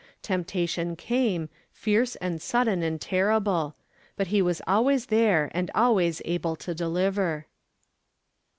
Temptation came, fierce and sudden and terrible; but He was always there and always able to deliver.